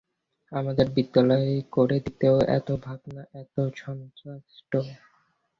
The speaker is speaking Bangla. আমাদের বিদায় করে দিতেও এত ভাবনা, এত ঝঞ্ঝাট।